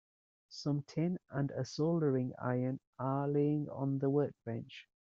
Some tin and a soldering iron are laying on the workbench.